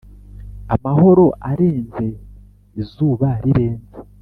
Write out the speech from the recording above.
amahoro arenze izuba rirenze,